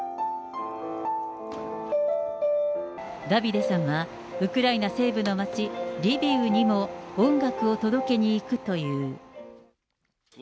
ダビデさんはウクライナ西部の町リビウにも音楽を届けに行くという。